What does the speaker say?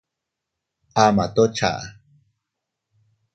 Ama toʼo chaʼa.